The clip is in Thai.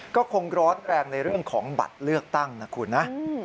ก็คงร้อนแรงในเรื่องของบัตรเลือกตั้งนะคุณนะ